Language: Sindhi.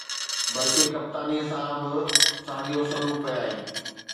بلڪ ڪپتانيءَ سان به ساڳيو سلوڪ ڪيائين.